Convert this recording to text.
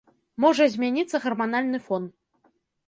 Можа змяніцца гарманальны фон.